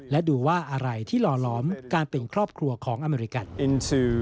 และดูว่าอะไรที่ลอลอมการเป็นครอบครัวของอเมริกัน